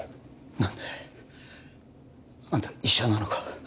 何であんた医者なのか？